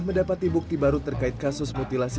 mendapati bukti baru terkait kasus mutilasi